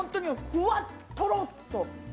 ふわっ、とろっと。